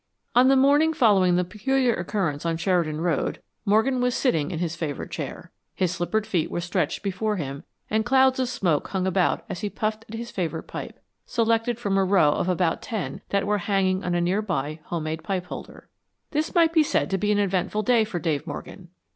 On the morning following the peculiar occurrence on Sheridan Road, Morgan was sitting in his favorite chair. His slippered feet were stretched before him and clouds of smoke hung about as he puffed at his favorite pipe, selected from a row of about ten that were hanging on a nearby home made pipe holder. This might be said to be an eventful day for Dave Morgan.